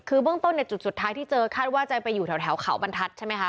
คือเบื้องต้นจุดสุดท้ายที่เจอคาดว่าจะไปอยู่แถวเขาบรรทัศน์ใช่ไหมคะ